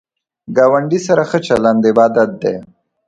ګاونډی سره ښه چلند عبادت دی